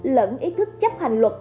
lẫn ý thức chấp hành luật